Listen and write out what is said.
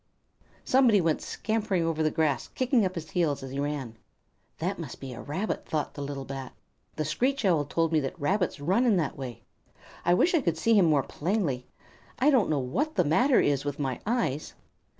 Somebody went scampering over the grass, kicking up his heels as he ran. "That must be a Rabbit," thought the little Bat. "The Screech Owl told me that Rabbits run in that way. I wish I could see him more plainly. I don't know what is the matter with my eyes."